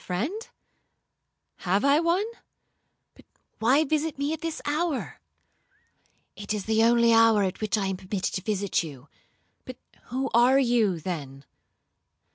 '—'My friend? Have I one?—but why visit me at this hour?'—'It is the only hour at which I am permitted to visit you.'—'But who are you, then?'